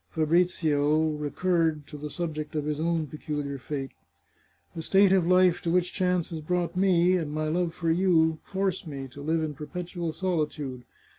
Fabrizio recurred to the subject of his own peculiar fate. " The state of life to which chance has brought me, and my love for you, force me to live in perpetual solitude.